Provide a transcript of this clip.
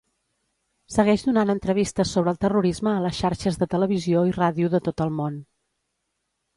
Segueix donant entrevistes sobre el terrorisme a les xarxes de televisió i radio de tot el món.